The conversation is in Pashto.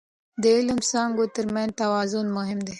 د علم څانګو ترمنځ توازن مهم دی.